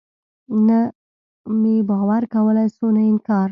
نه مې باور کولاى سو نه انکار.